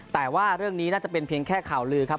แต่ว่าเรื่องนี้น่าจะเป็นเพียงแค่ข่าวลือครับ